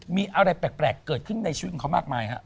มีอะไรแปลกเกิดขึ้นในชีวิตของเขามากมายฮะ